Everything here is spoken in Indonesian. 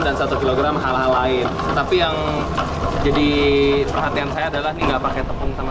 dan satu kilogram hal hal lain tapi yang jadi perhatian saya adalah tidak pakai tepung sama